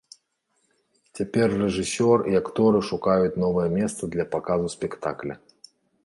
Цяпер рэжысёр і акторы шукаюць новае месца для паказу спектакля.